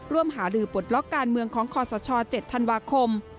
หารือปลดล็อกการเมืองของคอสช๗ธันวาคม